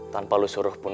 tanpa lo suruh pun